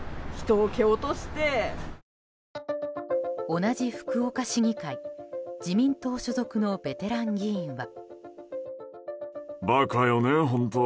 同じ福岡市議会自民党所属のベテラン議員は。